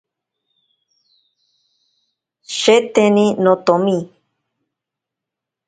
Sheteni notomi.